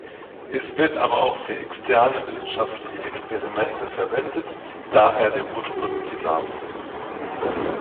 Es wird aber auch für externe wissenschaftliche Experimente verwendet, daher der ursprüngliche Name.